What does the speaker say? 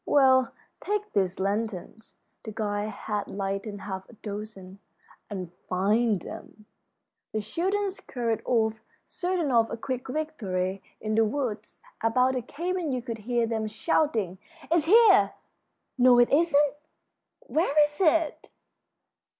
Well, take these lanterns" the guide had lighted half a dozen "and find them." The children scurried off, certain of a quick victory. In the woods about the cabin you could hear them shouting: "It's here!" "No, it isn't!" "Where is it?"